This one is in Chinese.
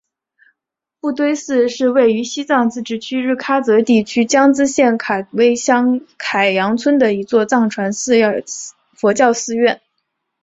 布堆寺是位于西藏自治区日喀则地区江孜县卡堆乡凯扬村的一座藏传佛教寺院。